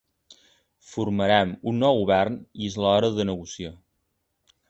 Formarem un nou govern i és l’hora de negociar.